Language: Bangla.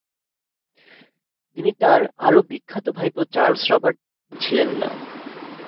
তিনি তাঁর আরও বিখ্যাত ভাইপো চার্লস রবার্ট ডারউইন ছিলেন না।